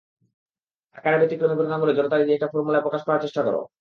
আকারের ব্যতিক্রমী ঘটনাগুলো জোড়াতালি দিয়ে একটা ফর্মূলায় প্রকাশ করার চেষ্টা করো।